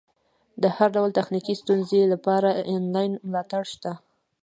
د هر ډول تخنیکي ستونزې لپاره انلاین ملاتړ شته.